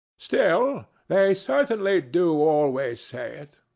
Still, they certainly do always say it.